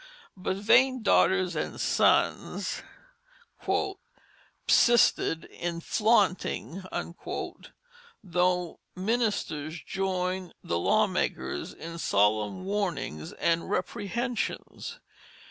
But vain daughters and sons "psisted in fflonting," though ministers joined the lawmakers in solemn warnings and reprehensions.